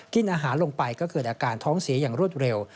กินอาหารลงไปก็เกิดอาการท้องเสียอย่างรวดเร็ว